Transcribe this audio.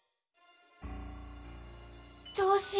どうしよう？